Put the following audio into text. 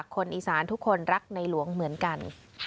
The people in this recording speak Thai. คนอีสานทุกคนรักในหลวงเหมือนกัน